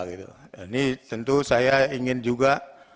ini tentu saya ingin juga